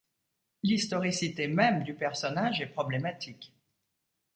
L'historicité même du personnage est problématique.